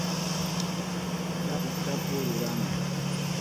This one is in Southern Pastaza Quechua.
chapu chapu rurana